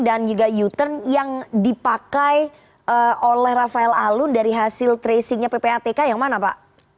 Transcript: dan juga u turn yang dipakai oleh rafael alun dari hasil tracingnya ppatk yang mana pak